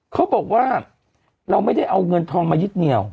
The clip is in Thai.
เขาบอกว่าเราไม่ได้เอาเงินทองมายึดเหนียว